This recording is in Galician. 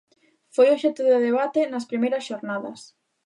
Foi obxecto de debate nas primeiras xornadas.